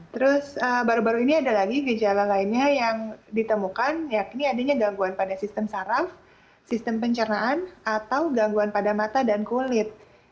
terus baru baru ini ada lagi gejala lainnya yang ditemukan yakni adanya gangguan pada sistem saraf sistem pencernaan atau gangguan pada mata dan kulit